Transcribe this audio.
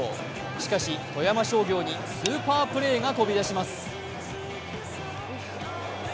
しかし富山商業にスーパープレーが飛び出します。